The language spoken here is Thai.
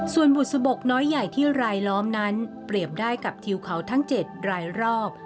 ส่วนบุษบกน้อยใหญ่ที่รายล้อมนั้นเปรียบได้กับทิวเขาทั้ง๗รายรอบ